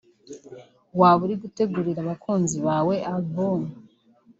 waba uri gutegurira abakunzi bawe album